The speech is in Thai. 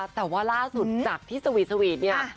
แต่ว่าล่าสุดจากที่สวีทวีทเนี่ย